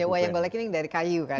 ya wayang gulek ini dari kayu kan